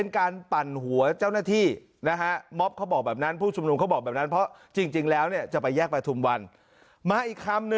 แกงเทพบันดาลใจ